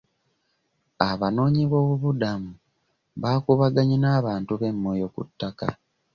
Abanoonyiboobubudamu baakuubaganye n'abantu b'e Moyo ku ttaka.